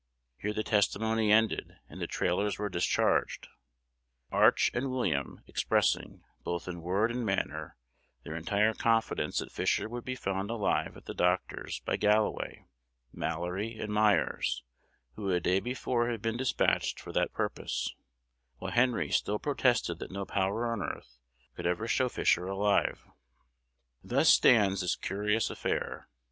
Here the testimony ended, and the Trailors were discharged, Arch, and William expressing, both in word and manner, their entire confidence that Fisher would be found alive at the doctor's by Galloway, Mallory, and Myers, who a day before had been despatched for that purpose; while Henry still protested that no power on earth could ever show Fisher alive. Thus stands this curious affair.